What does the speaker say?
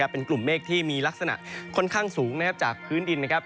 เป็นกลุ่มเมฆที่มีลักษณะค่อนข้างสูงจากพื้นดินนะครับ